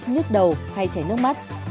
nhức đầu hay chảy nước mắt